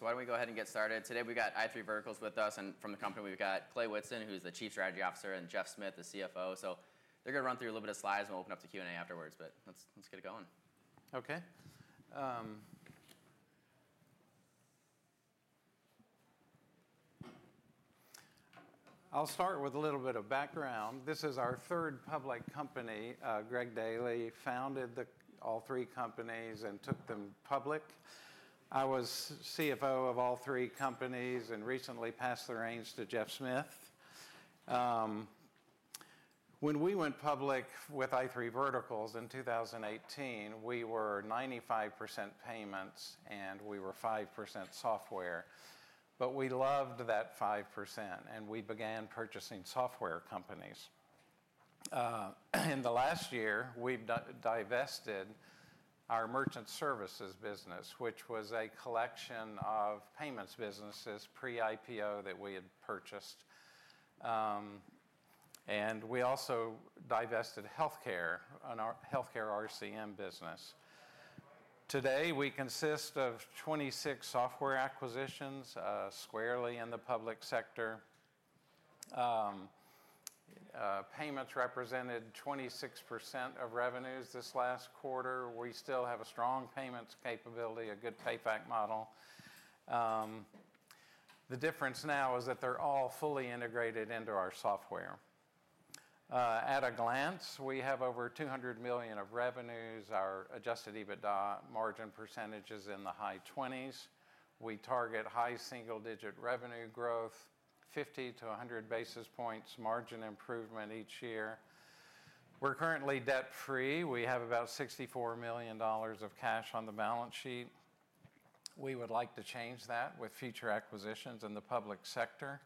Why don't we go ahead and get started? Today we've got i3 Verticals with us, and from the company we've got Clay Whitson, who's the Chief Strategy Officer, and Geoff Smith, the CFO. They're going to run through a little bit of slides, and we'll open up to Q&A afterwards, but let's get it going. Okay. I'll start with a little bit of background. This is our third public company. Greg Daily founded all three companies and took them public. I was CFO of all three companies and recently passed the reins to Geoff Smith. When we went public with i3 Verticals in 2018, we were 95% payments and we were 5% software. But we loved that 5%, and we began purchasing software companies. In the last year, we've divested our merchant services business, which was a collection of payments businesses pre-IPO that we had purchased. And we also divested healthcare, our healthcare RCM business. Today we consist of 26 software acquisitions, squarely in the public sector. Payments represented 26% of revenues this last quarter. We still have a strong payments capability, a good payback model. The difference now is that they're all fully integrated into our software. At a glance, we have over $200 million of revenues. Our adjusted EBITDA margin percentage is in the high 20s. We target high single-digit revenue growth, 50-100 basis points margin improvement each year. We're currently debt-free. We have about $64 million of cash on the balance sheet. We would like to change that with future acquisitions in the public sector.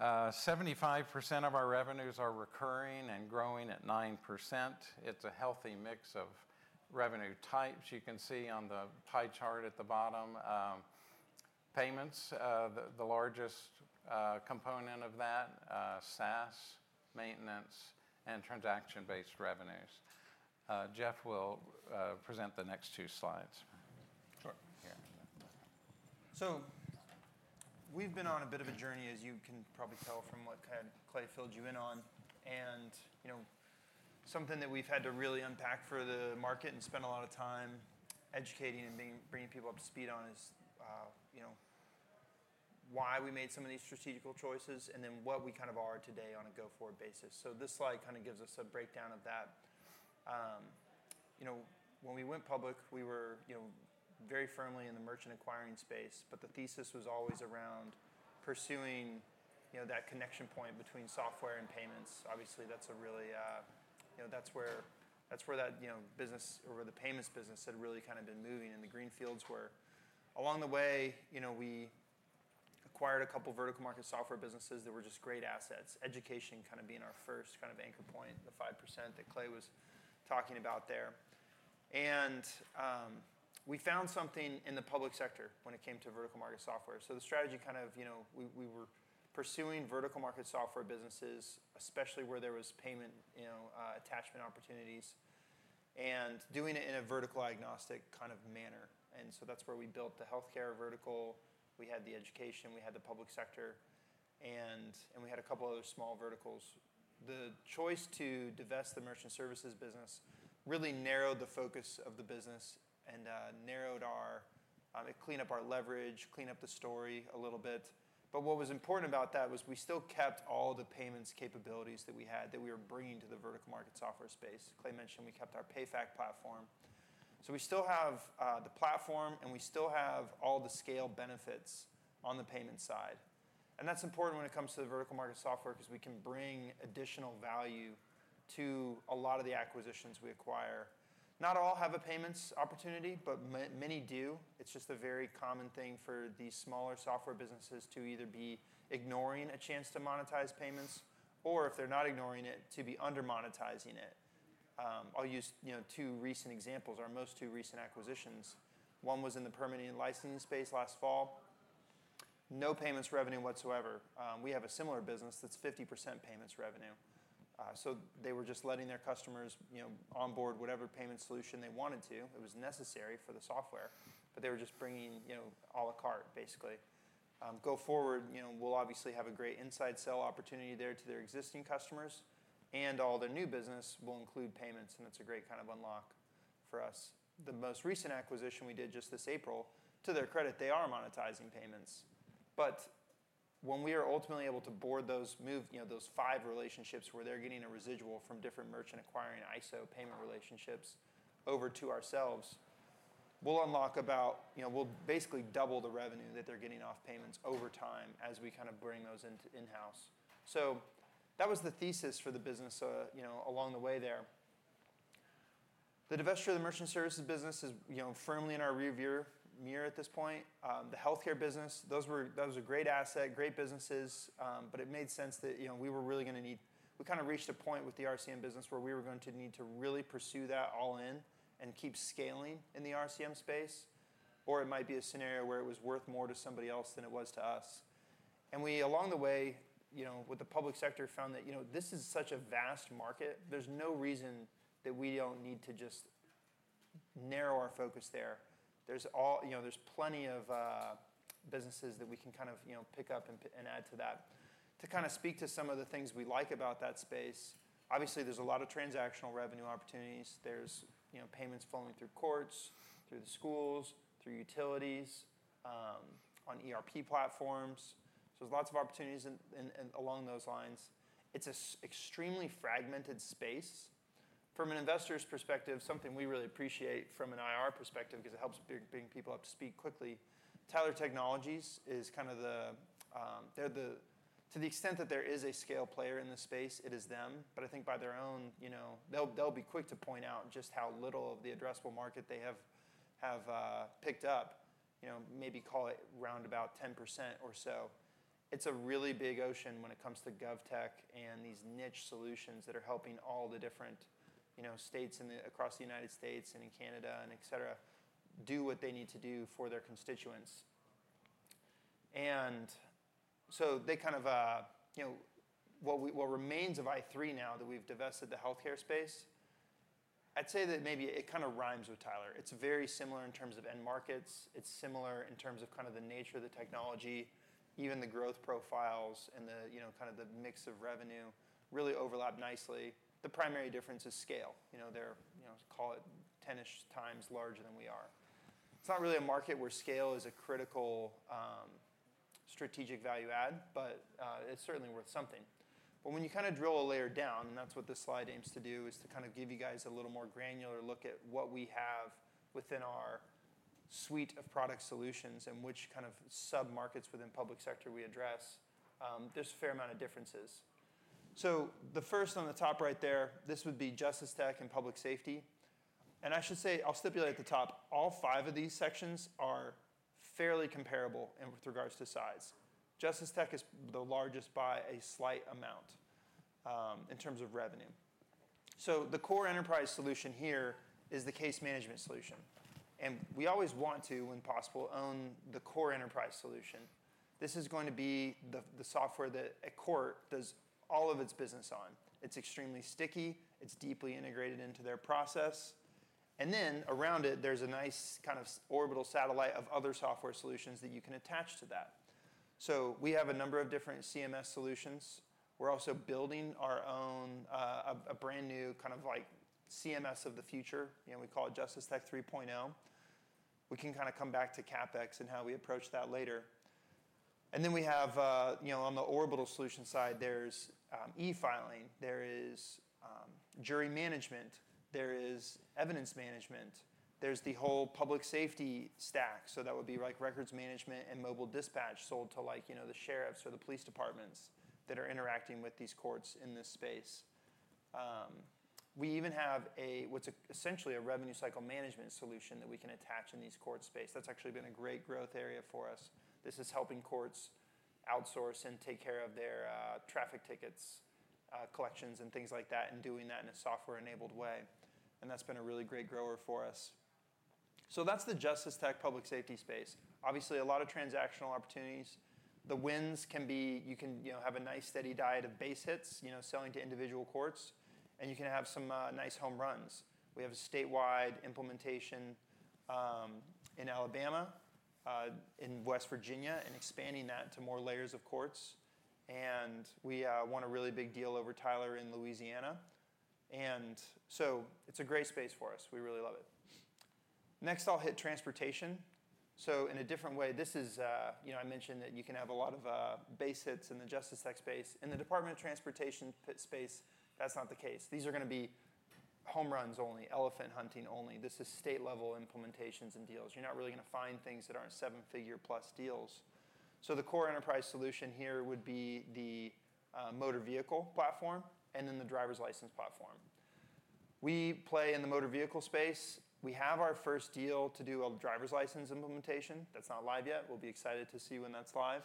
75% of our revenues are recurring and growing at 9%. It's a healthy mix of revenue types. You can see on the pie chart at the bottom, payments, the largest component of that, SaaS, maintenance, and transaction-based revenues. Geoff will present the next two slides. Sure. So we've been on a bit of a journey, as you can probably tell from what Clay filled you in on. Something that we have had to really unpack for the market and spend a lot of time educating and bringing people up to speed on is why we made some of these strategic choices, and then what we kind of are today on a go-forward basis. This slide gives us a breakdown of that. When we went public, we were very firmly in the merchant acquiring space, but the thesis was always around pursuing that connection point between software and payments. Obviously, that's a really, that's where that business, or the payments business, had really kind of been moving in the greenfields where, along the way, we acquired a couple of vertical market software businesses that were just great assets, education kind of being our first kind of anchor point, the 5% that Clay was talking about there. And we found something in the public sector when it came to vertical market software. The strategy kind of, we were pursuing vertical market software businesses, especially where there was payment attachment opportunities, and doing it in a vertical agnostic kind of manner. That's where we built the healthcare vertical. We had the education. We had the public sector. And we had a couple of other small verticals. The choice to divest the merchant services business really narrowed the focus of the business and narrowed or cleaned up our leverage, cleaned up the story a little bit. But what was important about that was we still kept all the payments capabilities that we had that we were bringing to the vertical market software space. Clay mentioned we kept our Payback Platform. So we still have the platform, and we still have all the scale benefits on the payment side. And that's important when it comes to the vertical market software because we can bring additional value to a lot of the acquisitions we acquire. Not all have a payments opportunity, but many do. It's just a very common thing for these smaller software businesses to either be ignoring a chance to monetize payments, or if they are not ignoring it, to be under-monetizing it. I'll use two recent examples, our most two recent acquisitions. One was in the permitting and licensing space last fall. No payments revenue whatsoever. We have a similar business that's 50% payments revenue. They were just letting their customers onboard whatever payment solution they wanted to. It was necessary for the software, but they were just bringing à la carte, basically. Go forward, we'll obviously have a great inside sell opportunity there to their existing customers, and all their new business will include payments, and that's a great kind of unlock for us. The most recent acquisition we did just this April, to their credit, they are monetizing payments. But when we are ultimately able to board those five relationships where they're getting a residual from different merchant acquiring ISO payment relationships over to ourselves, we'll unlock about, we'll basically double the revenue that they're getting off payments over time as we kind of bring those into in-house. So that was the thesis for the business along the way there. The divestiture of the merchant services business is firmly in our rearview mirror at this point. The healthcare business, those were great assets, great businesses, but it made sense that we were really going to need, we kind of reached a point with the RCM business where we were going to need to really pursue that all in and keep scaling in the RCM space, or it might be a scenario where it was worth more to somebody else than it was to us. And we, along the way, with the public sector, found that this is such a vast market. There is no reason that we do not need to just narrow our focus there. There is plenty of businesses that we can kind of pick up and add to that. To kind of speak to some of the things we like about that space, obviously, there is a lot of transactional revenue opportunities. There is payments flowing through courts, through the schools, through utilities, on ERP platforms. There's lots of opportunities along those lines. It is an extremely fragmented space. From an investor's perspective, something we really appreciate from an IR perspective because it helps bring people up to speed quickly. Tyler Technologies is kind of the, to the extent that there is a scale player in this space, it is them. I think by their own, they'll be quick to point out just how little of the addressable market they have picked up, maybe call it around 10% or so. It's a really big ocean when it comes to gov tech and these niche solutions that are helping all the different states across the United States and in Canada and etc. do what they need to do for their constituents. And so they kind of what remains of i3 now that we've divested the healthcare space, I'd say that maybe it kind of rhymes with Tyler. It's very similar in terms of end markets. It's similar in terms of kind of the nature of the technology, even the growth profiles and kind of the mix of revenue really overlap nicely. The primary difference is scale. They're, call it, 10-ish times larger than we are. It's not really a market where scale is a critical strategic value add, but it's certainly worth something. When you kind of drill a layer down, and that's what this slide aims to do, is to kind of give you guys a little more granular look at what we have within our suite of product solutions and which kind of sub-markets within public sector we address. There's a fair amount of differences. So the first on the top right there, this would be justice tech and public safety. I should say, I'll stipulate at the top, all five of these sections are fairly comparable with regards to size. Justice tech is the largest by a slight amount in terms of revenue. So the core enterprise solution here is the case management solution. We always want to, when possible, own the core enterprise solution. This is going to be the software that a court does all of its business on. It's extremely sticky. It's deeply integrated into their process. And then around it, there's a nice kind of orbital satellite of other software solutions that you can attach to that. We have a number of different CMS solutions. We're also building our own, a brand new kind of like CMS of the future. We call it Justice Tech 3.0. We can kind of come back to CapEx and how we approach that later. And then we have on the orbital solution side, there's e-filing. There is jury management. There is evidence management. There's the whole public safety stack. That would be like records management and mobile dispatch sold to the sheriffs or the police departments that are interacting with these courts in this space. We even have what's essentially a revenue cycle management solution that we can attach in these court space. That's actually been a great growth area for us. This is helping courts outsource and take care of their traffic tickets, collections, and things like that, and doing that in a software-enabled way. And that's been a really great grower for us. That is the justice tech public safety space. Obviously, a lot of transactional opportunities. The wins can be you can have a nice steady diet of base hits selling to individual courts, and you can have some nice home runs. We have a statewide implementation in Alabama, in West Virginia, and expanding that to more layers of courts. We won a really big deal over Tyler in Louisiana. So it's a great space for us. We really love it. Next, I'll hit transportation. So in a different way, this is I mentioned that you can have a lot of base hits in the justice tech space. In the Department of Transportation tech space, that's not the case. These are going to be home runs only, elephant hunting only. This is state-level implementations and deals. You're not really going to find things that aren't seven-figure plus deals. So the core enterprise solution here would be the motor vehicle platform and then the driver's license platform. We play in the motor vehicle space. We have our first deal to do a driver's license implementation. That's not live yet. We'll be excited to see when that's live.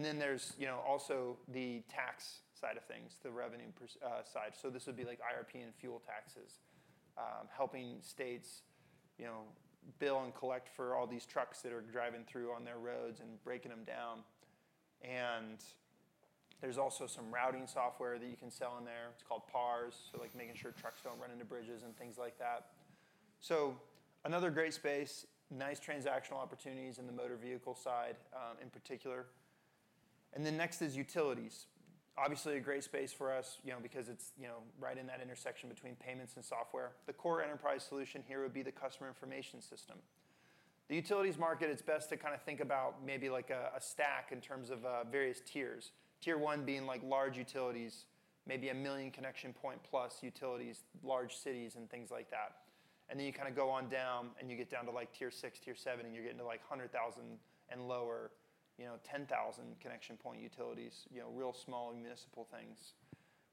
Then there's also the tax side of things, the revenue side. So this would be like IRP and fuel taxes, helping states bill and collect for all these trucks that are driving through on their roads and breaking them down. And there's also some routing software that you can sell in there. It is called PARS. Making sure trucks do not run into bridges and things like that. So another great space, nice transactional opportunities in the motor vehicle side in particular. And then next is utilities. Obviously, a great space for us because it is right in that intersection between payments and software. The core enterprise solution here would be the customer information system. The utilities market, it is best to kind of think about maybe like a stack in terms of various tiers. Tier one being large utilities, maybe a million connection point plus utilities, large cities, and things like that. And then you kind of go on down, and you get down to tier six, tier seven, and you're getting to like 100,000 and lower, 10,000 connection point utilities, real small municipal things.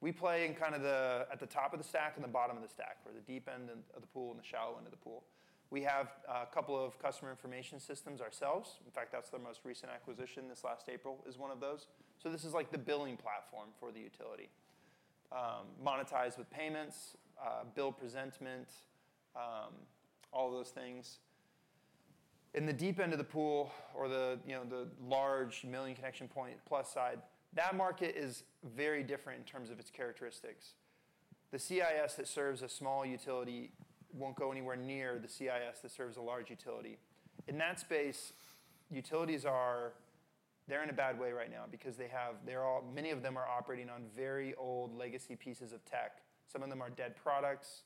We play in kind of the at the top of the stack and the bottom of the stack, where the deep end of the pool and the shallow end of the pool. We have a couple of customer information systems ourselves. In fact, that's their most recent acquisition this last April is one of those. So this is like the billing platform for the utility, monetized with payments, bill presentment, all those things. In the deep end of the pool or the large million connection point plus side, that market is very different in terms of its characteristics. The CIS that serves a small utility won't go anywhere near the CIS that serves a large utility. In that space, utilities, they're in a bad way right now because they have many of them are operating on very old legacy pieces of tech. Some of them are dead products.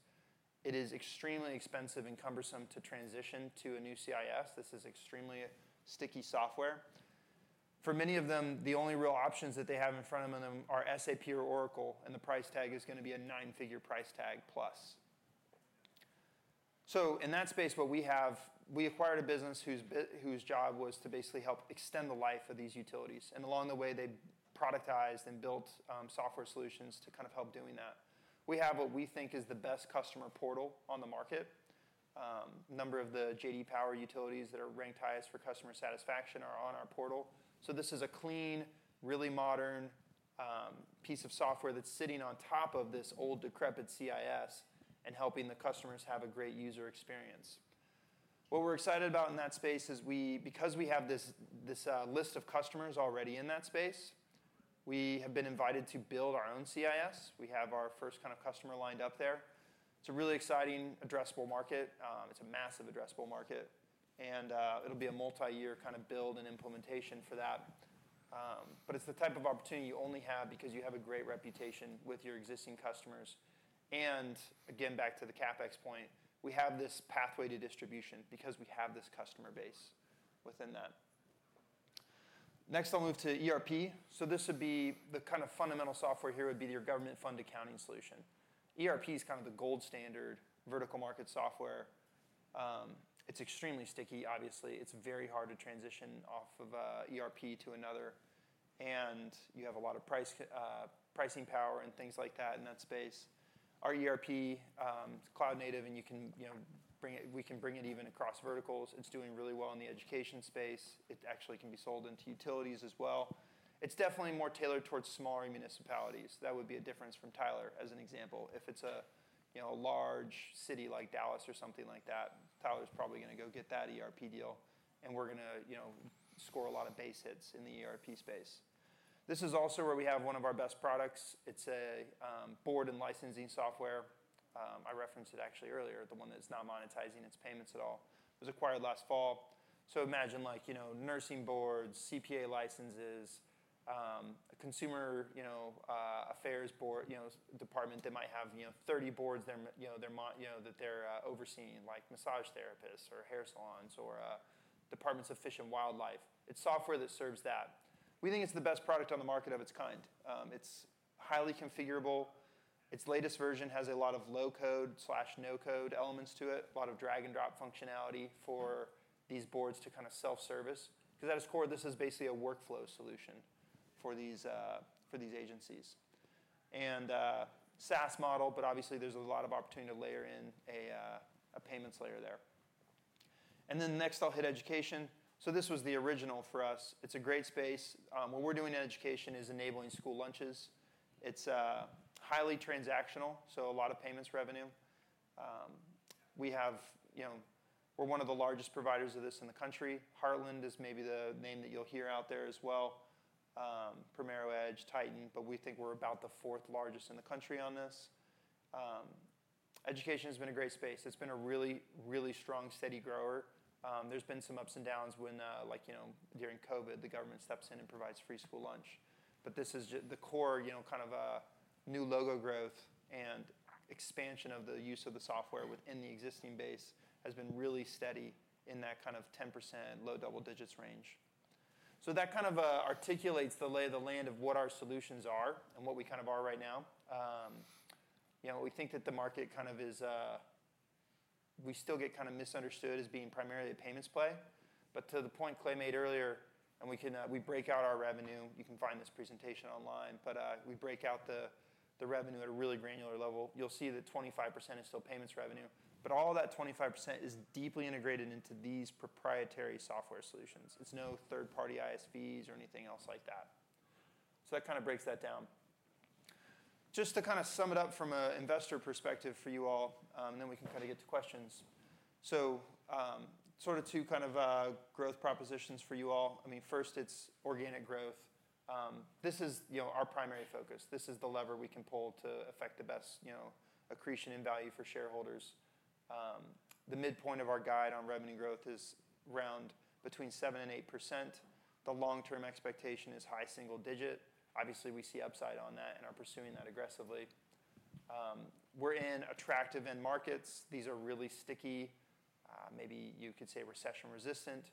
It is extremely expensive and cumbersome to transition to a new CIS. This is extremely sticky software. For many of them, the only real options that they have in front of them are SAP or Oracle, and the price tag is going to be a nine-figure price tag plus. So in that space, what we have, we acquired a business whose job was to basically help extend the life of these utilities. Along the way, they productized and built software solutions to kind of help doing that. We have what we think is the best customer portal on the market. A number of the JD Power utilities that are ranked highest for customer satisfaction are on our portal. This is a clean, really modern piece of software that's sitting on top of this old decrepit CIS and helping the customers have a great user experience. What we're excited about in that space is because we have this list of customers already in that space, we have been invited to build our own CIS. We have our first kind of customer lined up there. It's a really exciting addressable market. It's a massive addressable market. And it will be a multi-year kind of build and implementation for that. It's the type of opportunity you only have because you have a great reputation with your existing customers. And again, back to the CapEx point, we have this pathway to distribution because we have this customer base within that. Next, I'll move to ERP. So this would be the kind of fundamental software here, would be your government fund accounting solution. ERP is kind of the gold standard vertical market software. It's extremely sticky, obviously. It's very hard to transition off of ERP to another. And you have a lot of pricing power and things like that in that space. Our ERP is cloud-native, and you can bring it, we can bring it even across verticals. It's doing really well in the education space. It actually can be sold into utilities as well. It's definitely more tailored towards smaller municipalities. That would be a difference from Tyler, as an example. If it's a large city like Dallas or something like that, Tyler's probably going to go get that ERP deal, and we're going to score a lot of base hits in the ERP space. This is also where we have one of our best products. It's a board and licensing software. I referenced it actually earlier, the one that's not monetizing its payments at all. It was acquired last fall. Imagine nursing boards, CPA licenses, a consumer affairs department that might have 30 boards that they're overseeing, like massage therapists or hair salons or departments of fish and wildlife. It's software that serves that. We think it's the best product on the market of its kind. It's highly configurable. Its latest version has a lot of low-code/no-code elements to it, a lot of drag-and-drop functionality for these boards to kind of self-service. Because at its core, this is basically a workflow solution for these agencies. And SaaS model, but obviously, there's a lot of opportunity to layer in a payments layer there. Next, I'll hit education. So this was the original for us. It's a great space. What we're doing in education is enabling school lunches. It's highly transactional, so a lot of payments revenue. We're one of the largest providers of this in the country. Heartland is maybe the name that you'll hear out there as well. PrimeroEdge, Titan, but we think we're about the fourth largest in the country on this. Education has been a great space. It's been a really, really strong, steady grower. There's been some ups and downs when during COVID, the government steps in and provides free school lunch. But this the core kind of new logo growth and expansion of the use of the software within the existing base has been really steady in that kind of 10% low double digits range. So that kind of articulates the lay of the land of what our solutions are and what we kind of are right now. We think that the market kind of is we still get kind of misunderstood as being primarily a payments play. To the point Clay made earlier, and we break out our revenue. You can find this presentation online. We break out the revenue at a really granular level. You'll see that 25% is still payments revenue. But all that 25% is deeply integrated into these proprietary software solutions. It's no third-party ISVs or anything else like that. So that kind of breaks that down. Just to sum it up from an investor perspective for you all, and then we can get to questions. So sort of two growth propositions for you all. I mean, first, it's organic growth. This is our primary focus. This is the lever we can pull to affect the best accretion and value for shareholders. The midpoint of our guide on revenue growth is around between 7% and 8%. The long-term expectation is high single digit. Obviously, we see upside on that and are pursuing that aggressively. We're in attractive end markets. These are really sticky, maybe you could say recession-resistant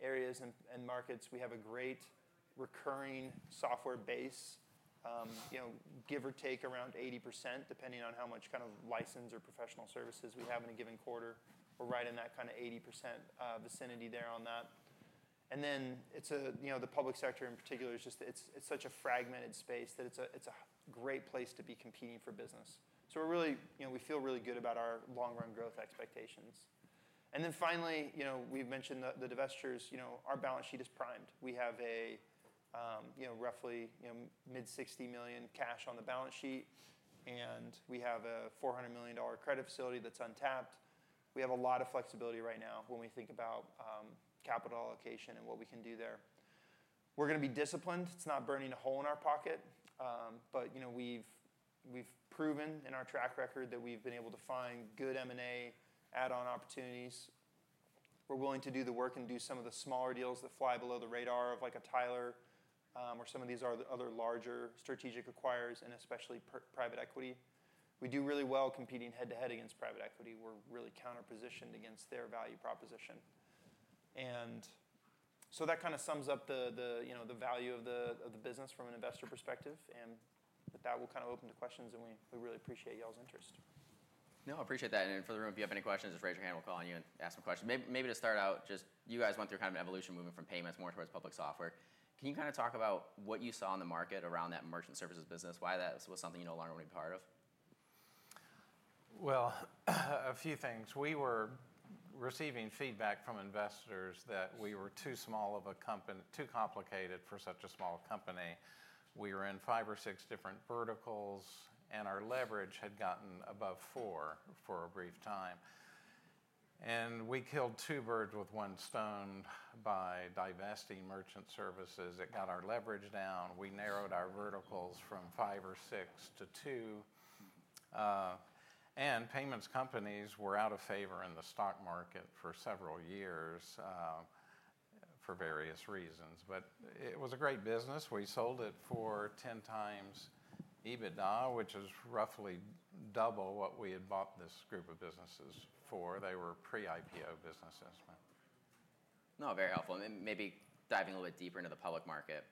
areas and markets. We have a great recurring software base, give or take around 80%, depending on how much kind of license or professional services we have in a given quarter. We're right in that kind of 80% vicinity there on that. And then the public sector in particular, it's such a fragmented space that it's a great place to be competing for business. We feel really good about our long-run growth expectations. And then finally, we've mentioned the divestitures our balance sheet is primed. We have roughly mid-60 million cash on the balance sheet, and we have a $400 million credit facility that's untapped. We have a lot of flexibility right now when we think about capital allocation and what we can do there. We're going to be disciplined. It's not burning a hole in our pocket. We've proven in our track record that we've been able to find good M&A add-on opportunities. We're willing to do the work and do some of the smaller deals that fly below the radar of like a Tyler or some of these other larger strategic acquirers, and especially private equity. We do really well competing head-to-head against private equity. We're really counterpositioned against their value proposition. So that kind of sums up the value of the business from an investor perspective. With that, we'll kind of open to questions, and we really appreciate y'all's interest. No, I appreciate that. For the room, if you have any questions, just raise your hand. We'll call on you and ask some questions. Maybe to start out, just you guys went through kind of an evolution moving from payments more towards public software. Can you kind of talk about what you saw in the market around that merchant services business, why that was something you no longer want to be part of? Well, a few things. We were receiving feedback from investors that we were too small of a company, too complicated for such a small company. We were in five or six different verticals, and our leverage had gotten above four for a brief time. And we killed two birds with one stone by divesting merchant services. It got our leverage down. We narrowed our verticals from five or six to two. And payments companies were out of favor in the stock market for several years for various reasons. But it was a great business. We sold it for 10 times EBITDA, which is roughly double what we had bought this group of businesses for. They were pre-IPO businesses. No, very helpful. I mean, maybe diving a little bit deeper into the public market.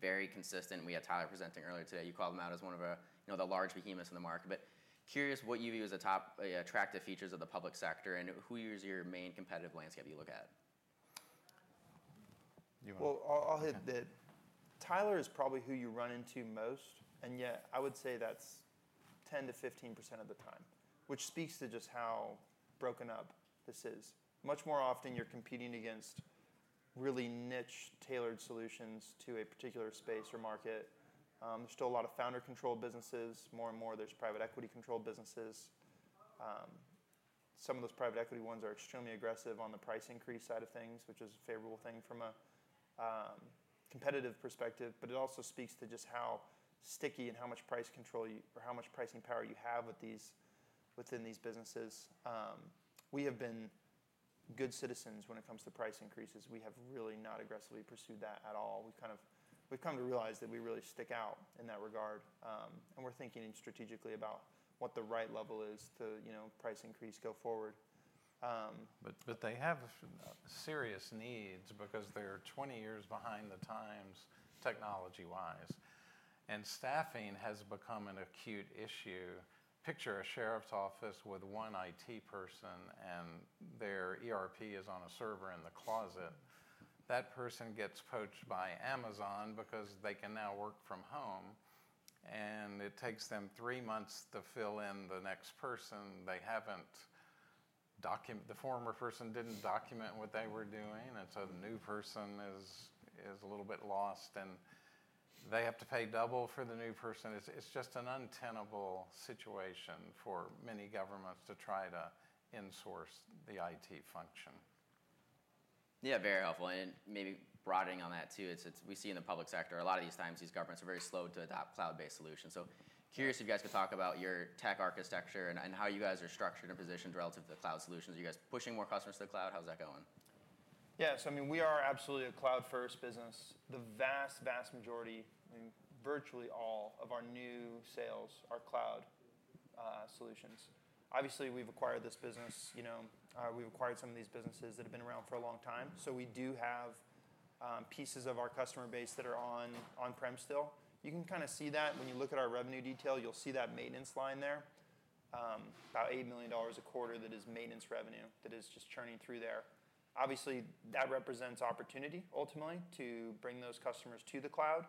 Very consistent. We had Tyler presenting earlier today. You called them out as one of the large behemoths in the market. Curious what you view as the top attractive features of the public sector, and who is your main competitive landscape you look at? I'll hit that. Tyler is probably who you run into most, and yet I would say that's 10-15% of the time, which speaks to just how broken up this is. Much more often, you're competing against really niche tailored solutions to a particular space or market. There's still a lot of founder-controlled businesses. More and more, there's private equity-controlled businesses. Some of those private equity ones are extremely aggressive on the price increase side of things, which is a favorable thing from a competitive perspective. But it also speaks to just how sticky and how much price control or how much pricing power you have within these businesses. We have been good citizens when it comes to price increases. We have really not aggressively pursued that at all. We've come to realize that we really stick out in that regard. And we're thinking strategically about what the right level is to price increase go forward. They have serious needs because they're 20 years behind the times technology-wise. Staffing has become an acute issue. Picture a sheriff's office with one IT person, and their ERP is on a server in the closet. That person gets poached by Amazon because they can now work from home. And it takes them three months to fill in the next person. The former person didn't document what they were doing, so the new person is a little bit lost, and they have to pay double for the new person. It's just an untenable situation for many governments to try to insource the IT function. Yeah, very helpful. Maybe broadening on that too, we see in the public sector, a lot of these times, these governments are very slow to adopt cloud-based solutions. So curious if you guys could talk about your tech architecture and how you guys are structured and positioned relative to the cloud solutions. Are you guys pushing more customers to the cloud? How's that going? Yeah, I mean, we are absolutely a cloud-first business. The vast, vast majority, virtually all of our new sales are cloud solutions. Obviously, we've acquired this business. We've acquired some of these businesses that have been around for a long time. So we do have pieces of our customer base that are on-prem still. You can kind of see that when you look at our revenue detail. You'll see that maintenance line there, about $8 million a quarter. That is maintenance revenue that is just churning through there. Obviously, that represents opportunity ultimately to bring those customers to the cloud.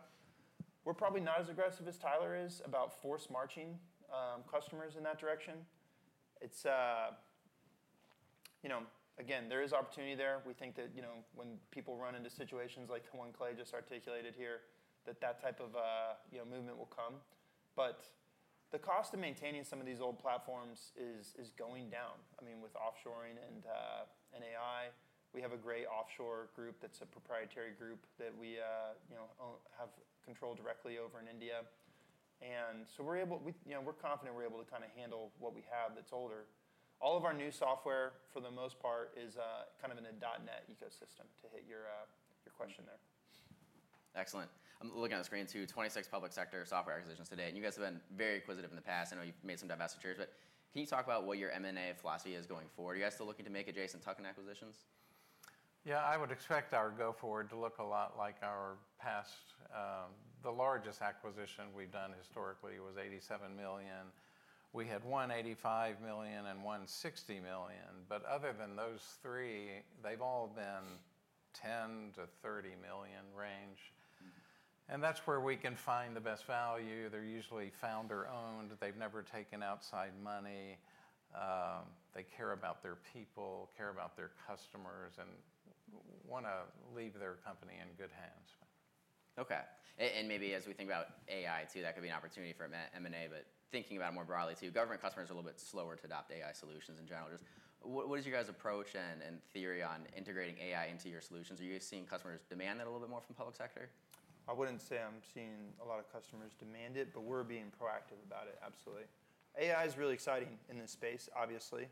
We're probably not as aggressive as Tyler is about force marching customers in that direction. Again, there is opportunity there. We think that when people run into situations like the one Clay just articulated here, that that type of movement will come. But the cost of maintaining some of these old platforms is going down. I mean, with offshoring and AI, we have a great offshore group that's a proprietary group that we have control directly over in India. We are confident we're able to kind of handle what we have that's older. All of our new software, for the most part, is kind of in a .NET ecosystem to hit your question there. Excellent. I'm looking at the screen too. Twenty-six public sector software acquisitions to date. You guys have been very acquisitive in the past. I know you've made some divestitures. Can you talk about what your M&A philosophy is going forward? Are you guys still looking to make adjacent tuck-in acquisitions? Yeah, I would expect our go-forward to look a lot like our past. The largest acquisition we've done historically was 87 million. We had one 85 million and one 60 million. Other than those three, they've all been in the 10 million-30 million range. And that's where we can find the best value. They're usually founder-owned. They've never taken outside money. They care about their people, care about their customers, and want to leave their company in good hands. Okay. And maybe as we think about AI too, that could be an opportunity for M&A. Thinking about it more broadly too, government customers are a little bit slower to adopt AI solutions in general. Just what is your guys' approach and theory on integrating AI into your solutions? Are you guys seeing customers demand that a little bit more from public sector? I would not say I am seeing a lot of customers demand it, but we are being proactive about it, absolutely. AI is really exciting in this space, obviously.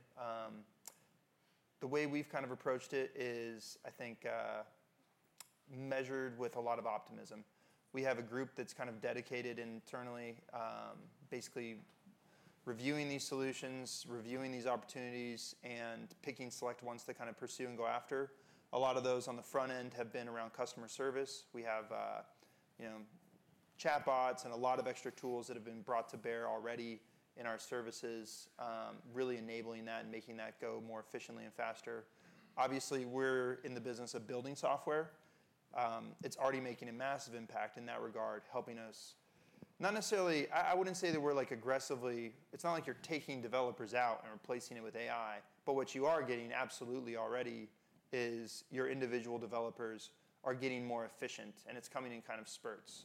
The way we have kind of approached it is, I think, measured with a lot of optimism. We have a group that is kind of dedicated internally, basically reviewing these solutions, reviewing these opportunities, and picking select ones to kind of pursue and go after. A lot of those on the front end have been around customer service. We have chatbots and a lot of extra tools that have been brought to bear already in our services, really enabling that and making that go more efficiently and faster. Obviously, we're in the business of building software. It's already making a massive impact in that regard, helping us not necessarily, I wouldn't say that we're aggressively, it's not like you're taking developers out and replacing it with AI. But what you are getting absolutely already is your individual developers are getting more efficient, and it's coming in kind of spurts.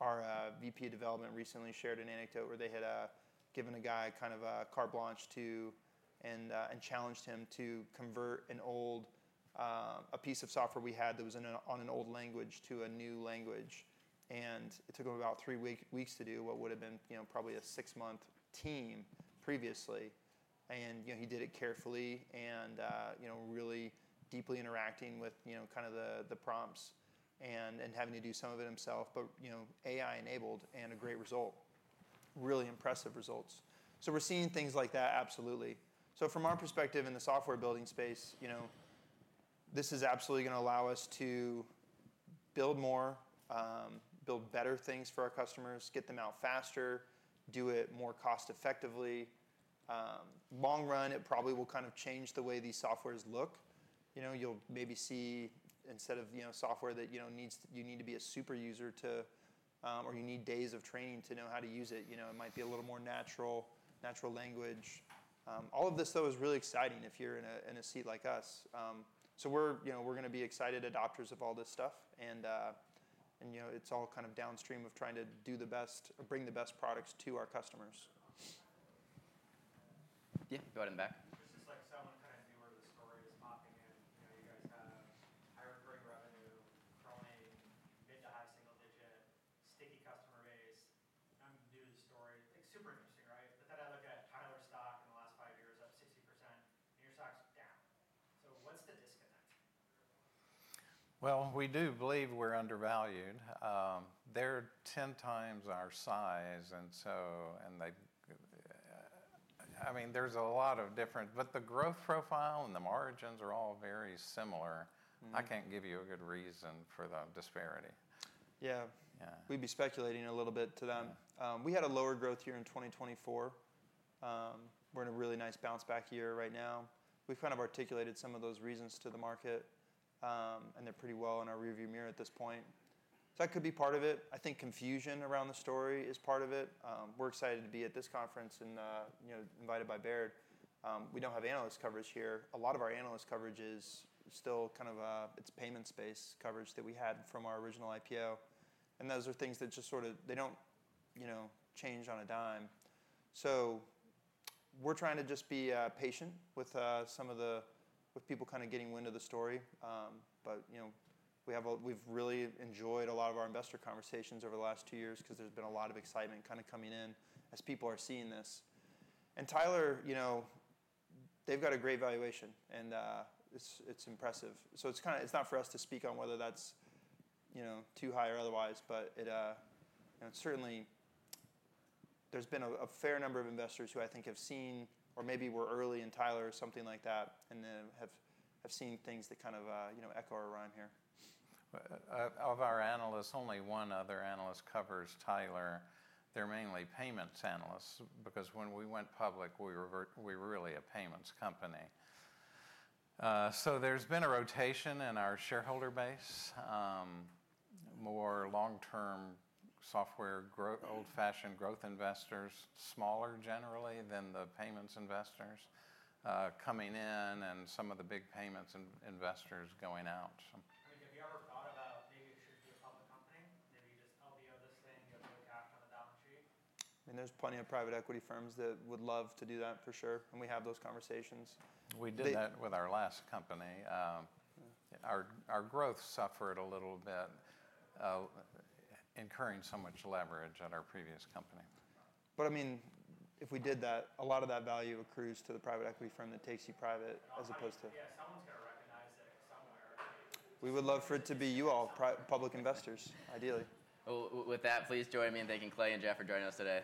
Our VP of Development recently shared an anecdote where they had given a guy kind of a carte blanche to and challenged him to convert a piece of software we had that was on an old language to a new language. And it took him about three weeks to do what would have been probably a six-month team previously. He did it carefully and really deeply interacting with kind of the prompts and having to do some of it himself. AI-enabled and a great result, really impressive results. So we are seeing things like that, absolutely. From our perspective in the software building space, this is absolutely going to allow us to build more, build better things for our customers, get them out faster, do it more cost-effectively. Long run, it probably will kind of change the way these softwares look. You will maybe see instead of software that you need to be a super user to or you need days of training to know how to use it, it might be a little more natural language. All of this, though, is really exciting if you are in a seat like us. So we're going to be excited adopters of all this stuff. It's all kind of downstream of trying to do the best or bring the best products to our customers. Yeah, go ahead. This is like someone kind of newer to the story is popping in. You guys have higher accruing revenue, growing mid to high single digit, sticky customer base. I'm new to the story. It's super interesting, right? Then I look at Tyler's stock in the last five years, up 60%. And your stock's down. We do believe we're undervalued. They're 10 times our size. I mean, there's a lot of different, but the growth profile and the margins are all very similar. I can't give you a good reason for the disparity. Yeah. We'd be speculating a little bit to them. We had a lower growth year in 2024. We're in a really nice bounce-back year right now. We've kind of articulated some of those reasons to the market, and they're pretty well in our rearview mirror at this point. That could be part of it. I think confusion around the story is part of it. We're excited to be at this conference and invited by Baird. We don't have analyst coverage here. A lot of our analyst coverage is still kind of its payment space coverage that we had from our original IPO. And those are things that just sort of they don't change on a dime. We're trying to just be patient with people kind of getting wind of the story. We've really enjoyed a lot of our investor conversations over the last two years because there's been a lot of excitement kind of coming in as people are seeing this. And Tyler, they've got a great valuation, and it's impressive. It is not for us to speak on whether that's too high or otherwise. Certainly, there's been a fair number of investors who I think have seen or maybe were early in Tyler or something like that and have seen things that kind of echo or rhyme here. Of our analysts, only one other analyst covers Tyler. They're mainly payments analysts because when we went public, we were really a payments company. So there's been a rotation in our shareholder base, more long-term software, old-fashioned growth investors, smaller generally than the payments investors coming in and some of the big payments investors going out. Have you ever thought about maybe it should be a public company? Maybe you just LBO this thing and you have no cash on the balance sheet? I mean, there's plenty of private equity firms that would love to do that for sure. And we have those conversations. We did that with our last company. Our growth suffered a little bit, incurring so much leverage at our previous company. But I mean, if we did that, a lot of that value accrues to the private equity firm that takes you private as opposed to. Yeah, someone's got to recognize that somewhere. We would love for it to be you all, public investors, ideally. With that, please join me in thanking Clay and Geoff for joining us today.